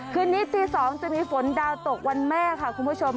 คืนนี้ตี๒จะมีฝนดาวตกวันแม่ค่ะคุณผู้ชม